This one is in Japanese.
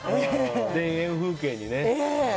田園風景にね。